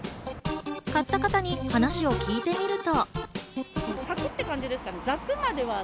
買った方に話を聞いてみると。